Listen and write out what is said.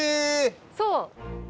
そう！